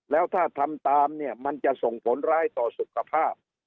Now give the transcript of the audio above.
แล้วถ้าทำตามเนี่ยมันจะส่งผลร้ายต่อสุขภาพ